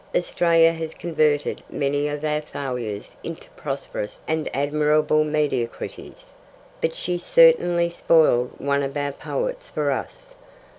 Australia has converted many of our failures into prosperous and admirable mediocrities, but she certainly spoiled one of our poets for us.